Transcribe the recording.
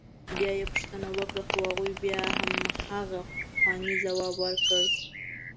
بیا یې پوښتنه وکړه خو هغوی بیا همغه پخوانی ځواب ورکړ.